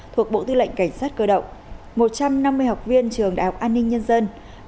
thuộc bộ tư lệnh cảnh sát cơ động một trăm năm mươi học viên trường đại học an ninh nhân dân